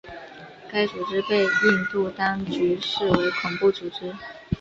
该组织被印度当局视为恐怖组织。